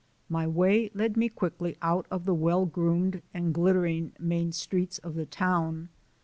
My way led me quickly out of the well groomed and glittering main streets of the town.